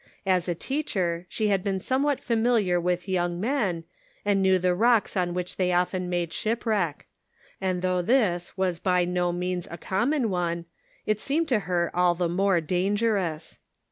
As a teacher she had been somewhat familiar with young men, and knew the rocks on which they often made ship wreck ; and though this was a by no means common one, it seemed to her all the more dangerous.